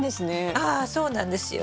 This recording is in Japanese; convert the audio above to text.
ああそうなんですよ。